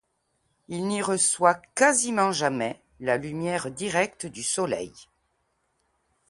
Il n'y reçoit quasiment jamais la lumière directe du soleil.